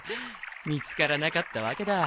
見つからなかったわけだ。